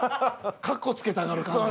カッコつけたがる感じ。